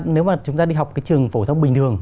nếu mà chúng ta đi học cái trường phổ thông bình thường